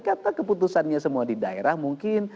kata keputusannya semua di daerah mungkin